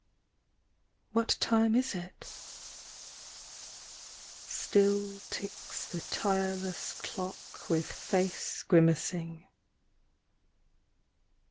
... What time is it ?... Still ticks the tireless clock, with face grimacing